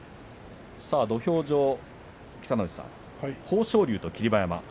土俵上は、北の富士さん豊昇龍と霧馬山。